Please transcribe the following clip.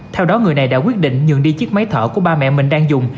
theo đó người này đã quyết định nhường đi chiếc máy thở của ba mẹ mình đang dùng